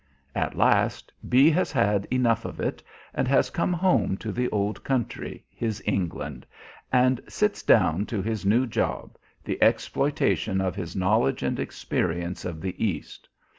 At last B has had enough of it, and has come home to the old country, his England, and sits down to his new job, the exploitation of his knowledge and experience of the East.